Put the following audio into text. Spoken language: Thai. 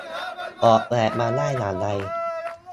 ออกแบบมาได้อย่างไร